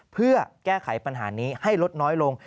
เพื่อแก้ไขปัญหานี้ให้ลดน้อยลง